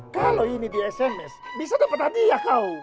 kalau ini di sms bisa dapat hadiah kau